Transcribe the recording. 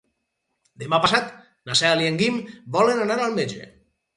Demà passat na Cel i en Guim volen anar al metge.